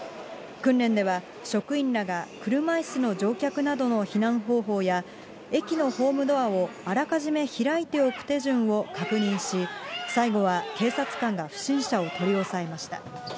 訓練では、職員らが車いすの乗客などの避難方法や、駅のホームドアをあらかじめ開いておく手順を確認し、最後は警察官が不審者を取り押さえました。